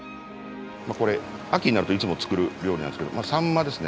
これ秋になるといつも作る料理なんですけどサンマですね。